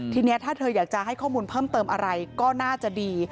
ทีนี้ถ้าเธออยากจะให้ข้อมูลเพิ่มเติมอะไรก็น่าจะดี